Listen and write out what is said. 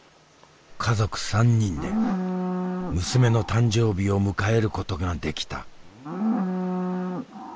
家族３人で娘の誕生日を迎えることができた。